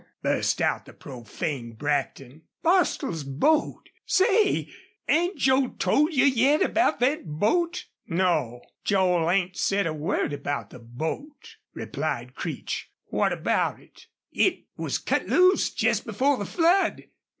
burst out the profane Brackton. "Bostil's boat! ... Say, 'ain't Joel told you yet about thet boat?" "No, Joel 'ain't said a word about the boat," replied Creech. "What about it?" "It was cut loose jest before the flood."